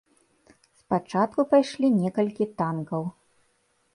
Спачатку пайшлі некалькі танкаў.